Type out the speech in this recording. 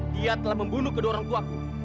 dia telah membunuh kedua orang tuaku